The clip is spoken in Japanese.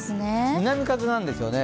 南風なんですよね。